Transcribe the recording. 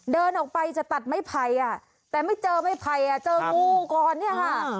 เดินออกไปจะตัดไม้ไผ่แต่ไม่เจอไม้ไผ่เจองูก่อนเนี่ยค่ะ